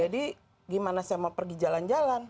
jadi gimana saya mau pergi jalan jalan